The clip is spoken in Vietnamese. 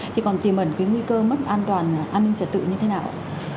thì còn tiềm ẩn cái nguy cơ mất an toàn an ninh trật tự như thế nào ạ